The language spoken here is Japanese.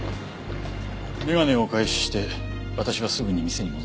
眼鏡をお返しして私はすぐに店に戻りました。